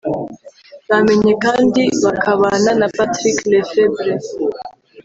bamenye kandi bakabana na Patrick Lefebvre